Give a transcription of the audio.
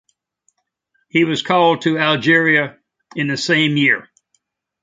He was called to Algeria in the same year.